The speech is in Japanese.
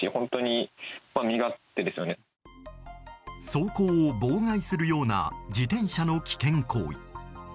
走行を妨害するような自転車の危険行為。